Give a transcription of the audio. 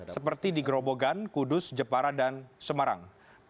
seperti di gerobogan kudus jepara dan semarang